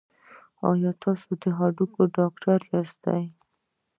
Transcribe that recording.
ایا تاسو د هډوکو ډاکټر یاست؟